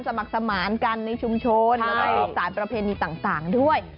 สมัครสมานกันในชุมชนแล้วก็สืบสารประเพณีต่างด้วย